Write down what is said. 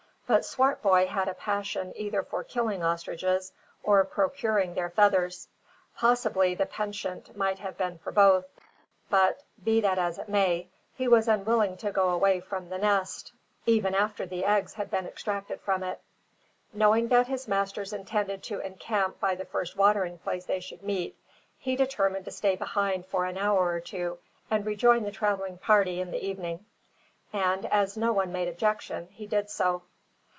But Swartboy had a passion either for killing ostriches, or procuring their feathers. Possibly the penchant might have been for both; but, be that as it may, he was unwilling to go away from the nest, even after the eggs had been extracted from it. Knowing that his masters intended to encamp by the first watering place they should meet, he determined to stay behind for an hour or two and rejoin the travelling party in the evening; and as no one made objection he did so.